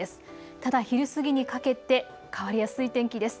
ただ昼過ぎにかけて変わりやすい天気です。